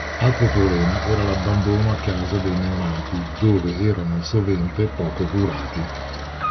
Altro problema era l'abbandono a casa dei neonati, dove erano sovente poco curati.